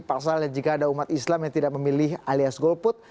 pasalnya jika ada umat islam yang tidak memilih alias golput